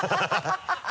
ハハハ